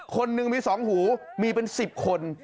คนหนึ่งมี๒หูมีเป็น๑๐คน